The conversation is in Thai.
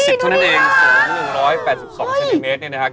สูง๑๘๒เซนติเมตรนี่นะครับ